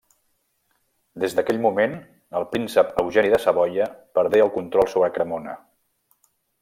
Des d'aquell moment el Príncep Eugeni de Savoia perdé el control sobre Cremona.